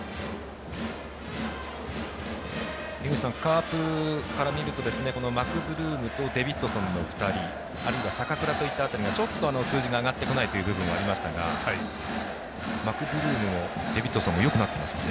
カープから見るとマクブルームとデビッドソンの２人あるいは坂倉といった辺りがちょっと数字が上がってこない部分ありましたがマクブルームもデビッドソンもよくなってますかね。